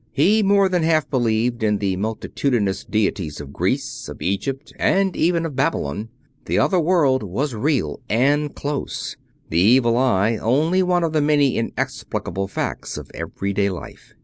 He more than half believed in the multitudinous deities of Greece, of Egypt, and even of Babylon. The other world was real and close; the evil eye only one of the many inexplicable facts of every day life.